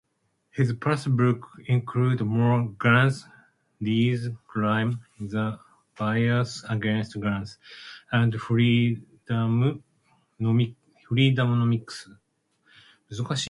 His past books include "More Guns, Less Crime", "The Bias Against Guns", and "Freedomnomics".